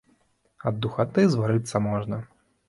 Ад духаты зварыцца можна.